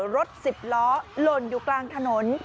รถ๑๐ล้อหล่นอยู่กลางถนน